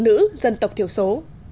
người dân tộc thiểu số